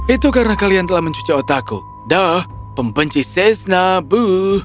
itu karena kalian telah mencuci otakku dah pembenci shasnabu